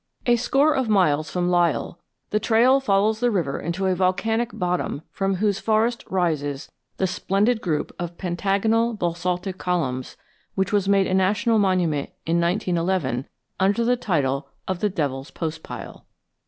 A score of miles from Lyell, the trail follows the river into a volcanic bottom from whose forest rises the splendid group of pentagonal basaltic columns which was made a national monument in 1911 under the title of the Devil's Postpile.